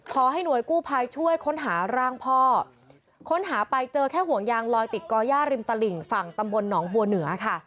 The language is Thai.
ขอให้หน่วยกู้ภัยช่วยค้นหาร่างพ่อค้นหาไปเจอแค่ห่วงยางลอยติดก่อย่าริมตลิ่งฝั่งตำบลหนองบัวเหนือค่ะ